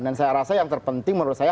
dan saya rasa yang terpenting menurut saya